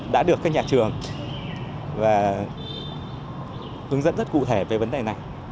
đã được các nhà trường và hướng dẫn rất cụ thể về vấn đề này